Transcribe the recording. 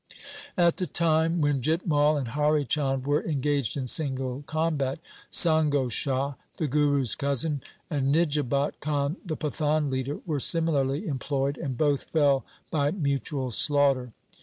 At the time when Jit Mai and Hari Chand were engaged in single combat, Sango Shah, the Guru's cousin, and Nijabat Khan, the Pathan leader, were similarly employed, and both fell by mutual slaugh ter.